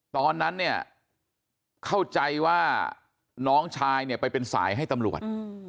ตอนนั้นเนี่ยเข้าใจว่าน้องชายเนี่ยไปเป็นสายให้ตำรวจ